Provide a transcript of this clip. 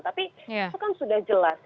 tapi itu kan sudah jelas